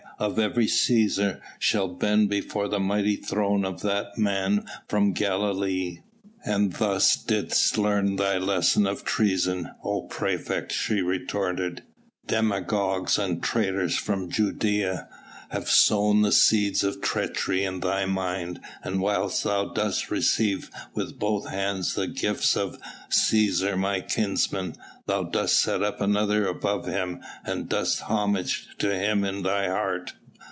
of every Cæsar shall bend before the mighty throne of that Man from Galilee." "And thus didst learn thy lesson of treason, O praefect," she retorted; "demagogues and traitors from Judæa have sown the seeds of treachery in thy mind, and whilst thou dost receive with both hands the gifts of the Cæsar my kinsman, thou dost set up another above him and dost homage to him in thy heart."